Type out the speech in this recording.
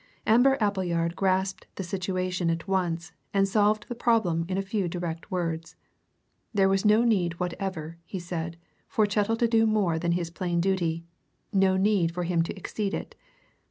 Ambler Appleyard grasped the situation at once and solved the problem in a few direct words. There was no need whatever, he said, for Chettle to do more than his plain duty, no need for him to exceed it.